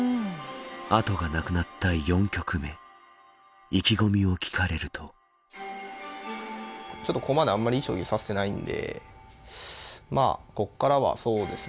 後がなくなった４局目意気込みを聞かれるとちょっとここまであんまりいい将棋指せてないんでまあここからはそうですね